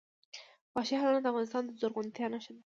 وحشي حیوانات د افغانستان د زرغونتیا نښه ده.